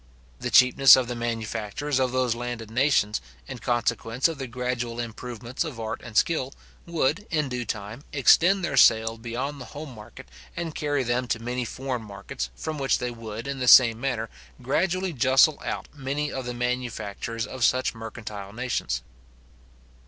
The cheapness of the manufactures of those landed nations, in consequence of the gradual improvements of art and skill, would, in due time, extend their sale beyond the home market, and carry them to many foreign markets, from which they would, in the same manner, gradually justle out many of the manufacturers of such mercantile nations.